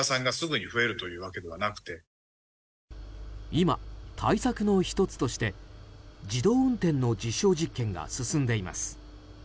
今、対策の１つとして自動運転の実証実験が進んでいます。